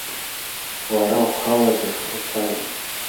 Лара лхала дазхәыцааит.